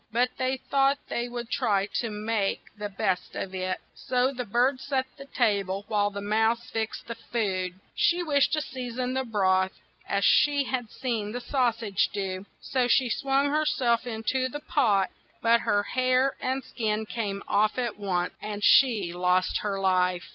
But they thought they would try to make the best of it, so the bird set the ta ble, while the mouse fixed the food. She 136 THE FOX AND THE CAT wished to sea son the broth as she had seen the sau sage do, so she swung her self in to the pot, but her hair and skin came off at once, and she lost her life.